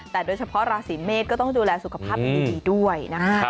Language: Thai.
แต่โดยเฉพาะราศีเมษก็ต้องดูแลสุขภาพกันดีด้วยนะคะ